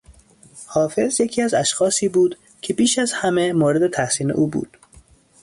حافظ یکی از اشخاصی بود که بیش از همه مورد تحسین او بود.